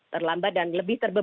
terlambat dan lebih terbebati